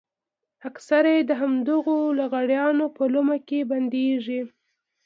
اکثره يې د همدغو لغړیانو په لومه کې بندېږي.